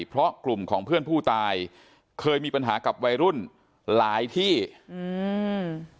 เพราะกลุ่มของเพื่อนผู้ตายเคยมีปัญหากับวัยรุ่นหลายที่อืม